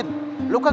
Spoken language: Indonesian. ini orang pengen